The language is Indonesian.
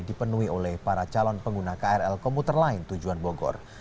dipenuhi oleh para calon pengguna krl komuter lain tujuan bogor